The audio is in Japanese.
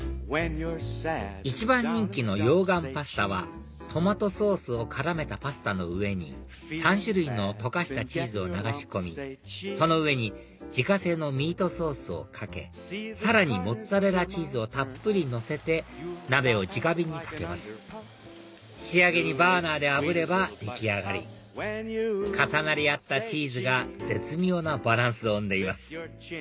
一番人気の溶岩パスタはトマトソースを絡めたパスタの上に３種類の溶かしたチーズを流し込みその上に自家製のミートソースをかけさらにモッツァレラチーズをたっぷりのせて鍋をじか火にかけます仕上げにバーナーであぶれば出来上がり重なり合ったチーズが絶妙なバランスを生んでいます